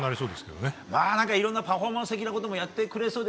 パフォーマンス的なことをやってくれそうで。